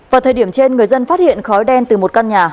vào thời điểm trên người dân phát hiện khói đen từ một căn nhà